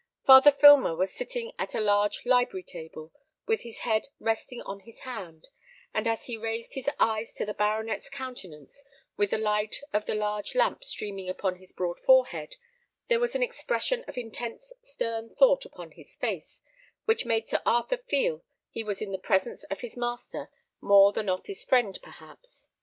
Father Filmer was sitting at a large library table, with his head resting on his hand: and as he raised his eyes to the baronet's countenance, with the light of the large lamp streaming upon his broad forehead, there was an expression of intense stern thought upon his face, which made Sir Arthur feel he was in the presence of his master more than of his friend perhaps.